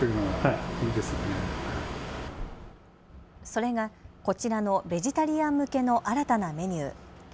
それがこちらのベジタリアン向けの新たなメニュー。